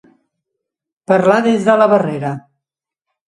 Parlar des de la barrera.